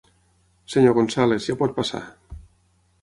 Senyor González, ja pot passar.